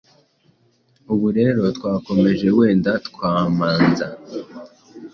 Ubu rero twakomeje wenda twamanza